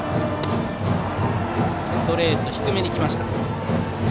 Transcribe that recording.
ストレート低めに来ました。